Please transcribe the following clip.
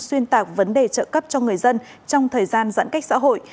xuyên tạc vấn đề trợ cấp cho người dân trong thời gian giãn cách xã hội